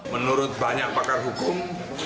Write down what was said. menurut banyak pakar hukum